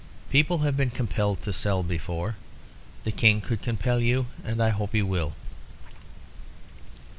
People have been compelled to sell before now. The King could compel you, and I hope he will."